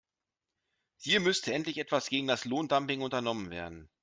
Hier müsste endlich etwas gegen das Lohndumping unternommen werden.